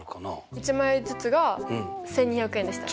１枚ずつが１２００円でしたっけ？